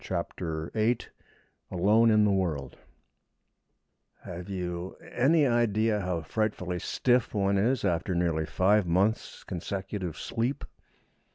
CHAPTER VIII ALONE IN THE WORLD Have you any idea how frightfully stiff one is after nearly five months' consecutive sleep?